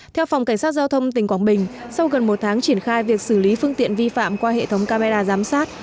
theo phòng cảnh sát giao thông tỉnh quảng bình sau gần một tháng triển khai việc xử lý phương tiện vi phạm qua hệ thống camera giám sát